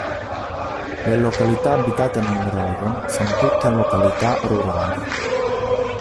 Le località abitate nel rajon sono tutte località rurali.